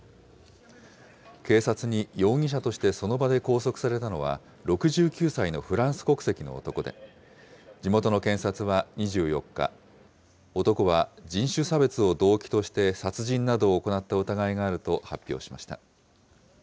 警察に容疑者としてその場で拘束されたのは、６９歳のフランス国籍の男で、地元の検察は２４日、男は人種差別を動機として殺人などを行った疑いがあると発表しました。